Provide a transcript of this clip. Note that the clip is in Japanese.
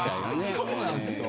そうなんですよ。